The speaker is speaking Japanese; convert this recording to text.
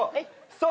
そう！